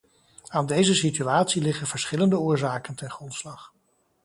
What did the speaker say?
Aan deze situatie liggen verschillende oorzaken ten grondslag.